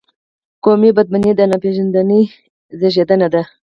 قومي بدبیني د ناپېژندنې زیږنده ده.